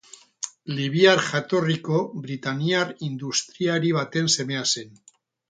Libiar jatorriko britainiar industriari baten semea zen.